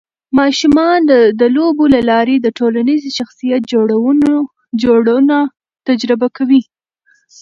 ماشومان د لوبو له لارې د ټولنیز شخصیت جوړونه تجربه کوي.